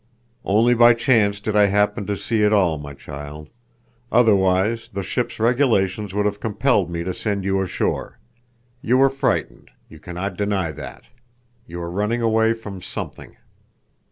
"Only by chance did I happen to see it all, my child. Otherwise the ship's regulations would have compelled me to send you ashore. You were frightened. You can not deny that. You were running away from something!"